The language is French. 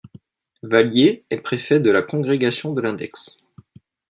Valier est préfet de la Congrégation de l'Index.